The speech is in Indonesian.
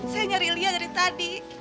saya nyari lia dari tadi